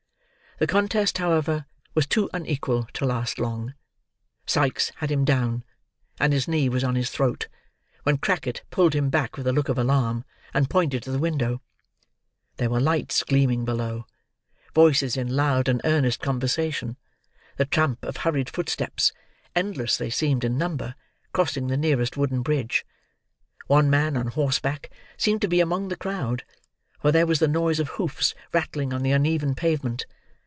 The contest, however, was too unequal to last long. Sikes had him down, and his knee was on his throat, when Crackit pulled him back with a look of alarm, and pointed to the window. There were lights gleaming below, voices in loud and earnest conversation, the tramp of hurried footsteps—endless they seemed in number—crossing the nearest wooden bridge. One man on horseback seemed to be among the crowd; for there was the noise of hoofs rattling on the uneven pavement.